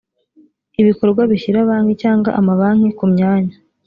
ibikorwa bishyira banki cyangwa amabanki kumyanya